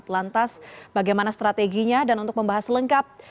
lantas bagaimana strateginya dan untuk membahas lengkap